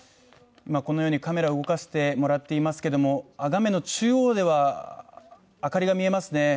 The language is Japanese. このようにカメラを動かせてもらっていますけども画面の中央では明かりが見えますね